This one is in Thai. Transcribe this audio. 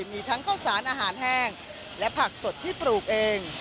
มีทั้งข้าวสารอาหารแห้งและผักสดที่ปลูกเอง